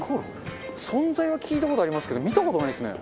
存在は聞いた事ありますけど見た事ないですね。